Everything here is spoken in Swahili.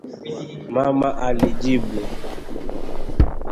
Mama alijibu